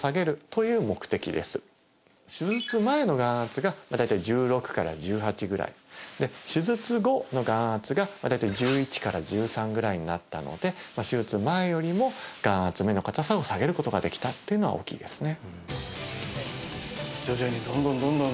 前の眼圧が大体１６から１８ぐらいで手術後の眼圧が大体１１から１３ぐらいになったので手術前よりも眼圧目の硬さを下げることができたっていうのは大きいですね